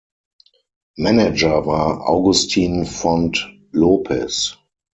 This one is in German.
Manager war Agustin Font Lopez.